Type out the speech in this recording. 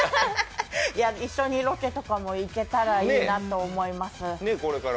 一緒にロケとか行けたらいいなと思います。